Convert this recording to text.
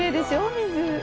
水。